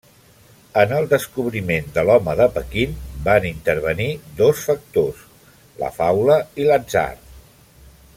En el descobriment de l'home de Pequín van intervenir dos factors: la faula i l'atzar.